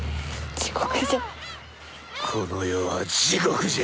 地獄じゃ。